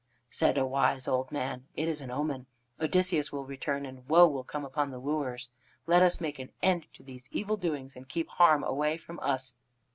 Said a wise old man: "It is an omen. Odysseus will return, and woe will come upon the wooers. Let us make an end of these evil doings and keep harm away from us."